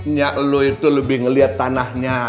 niat lu itu lebih ngeliat tanahnya